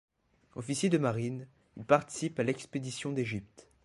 Officier de marine, il participe à l'expédition d’Égypte.